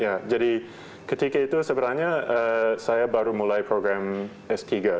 ya jadi ketika itu sebenarnya saya baru mulai program s tiga